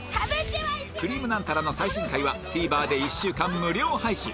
『くりぃむナンタラ』の最新回は ＴＶｅｒ で１週間無料配信